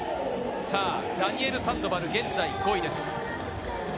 ダニエル・サンドバル、現在５位です。